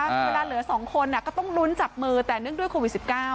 เวลาเหลือสองคนอ่ะก็ต้องลุ้นจับมือแต่เนื่องด้วยโควิดสิบเก้า